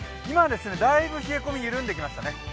今、だいぶ冷え込み緩んできましたね。